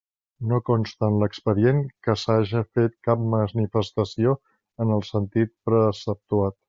No consta en l'expedient que s'haja fet cap manifestació en el sentit preceptuat.